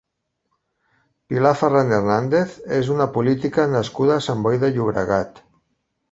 Pilar Ferran Hernández és una política nascuda a Sant Boi de Llobregat.